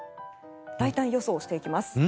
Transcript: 大胆予想していきます。